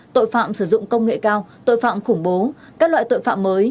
tội phạm sử dụng công nghệ cao tội phạm khủng bố các loại tội phạm mới